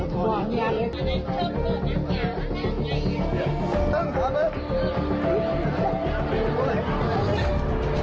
เฉพาะก็เป็นพิธีเลย